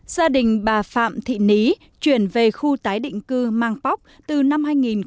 gia đình bà phạm thị ní chuyển về khu tái định cư mang bóc từ năm hai nghìn một mươi